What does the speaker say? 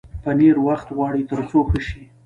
پنېر وخت غواړي تر څو ښه شي.